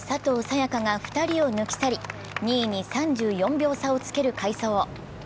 也伽が２人を抜き去り、２位に３４秒差をつける快走。